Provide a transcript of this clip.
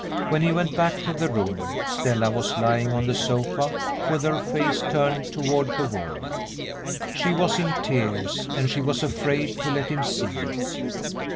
When he went back to the room, Stella was lying on the sofa with her face turned toward the wall. She was in tears, and she was afraid to let him see it.